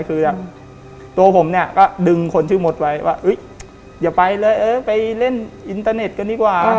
คือตัวผมเนี่ยก็ดึงคนชื่อมดไว้ว่าอย่าไปเลยเออไปเล่นอินเตอร์เน็ตกันดีกว่า